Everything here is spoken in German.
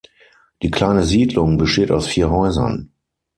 Die kleine Siedlung besteht aus vier Häusern.